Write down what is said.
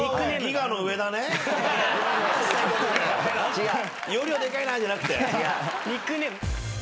違う。